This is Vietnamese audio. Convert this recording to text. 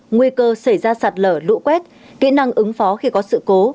nguy cơ xảy ra sạt lở lũ quét kỹ năng ứng phó khi có sự cố